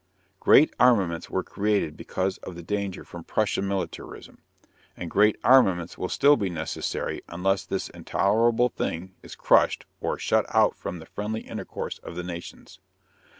Great armaments were created because of the danger from Prussian militarism; and great armaments will still be necessary unless "this intolerable thing" is crushed or "shut out from the friendly intercourse of the nations."